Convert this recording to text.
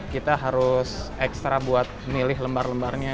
kita harus ekstra buat milih lembar lembarnya